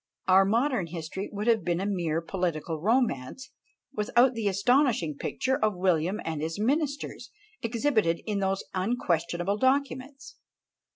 Our modern history would have been a mere political romance, without the astonishing picture of William and his ministers, exhibited in those unquestionable documents.